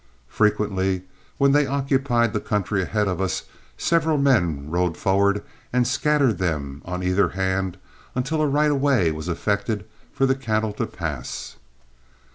Frequently, when they occupied the country ahead of us, several men rode forward and scattered them on either hand until a right of way was effected for the cattle to pass.